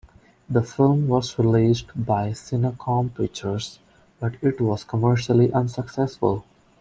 The film was released by Cinecom Pictures, but it was commercially unsuccessful.